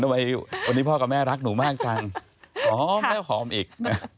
วันนี้พ่อกับแม่รักหนูมากจังอ๋อแม่ขอมอีก